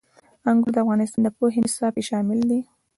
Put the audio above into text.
انګور د افغانستان د پوهنې نصاب کې شامل دي.